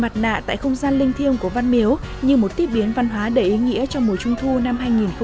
mặt nạ tại không gian linh thiêng của văn miếu như một tiếp biến văn hóa đầy ý nghĩa trong mùa trung thu năm hai nghìn một mươi chín